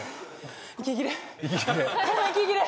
息切れ